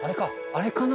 あれかな？